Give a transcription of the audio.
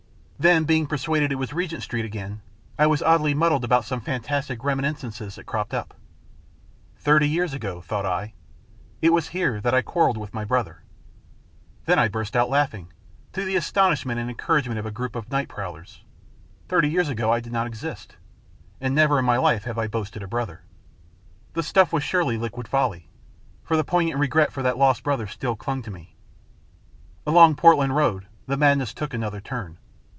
Then, being persuaded it was Regent Street again, I was oddly muddled about some fantastic reminiscences that cropped up. ". Thirty years ago," thought I, "it was here that I quarrelled with my brother." Then I burst out laughing, to the astonish ment and encouragement of a group of night prowlers. STORY OF THE LATE MR. ELVESHAM 57 Thirty years ago I did not exist, and never in my life had I boasted a brother. The stuff was surely liquid folly, for the poignant regret for that lost brother still clung to me. Along Portland Road the madness took another turn.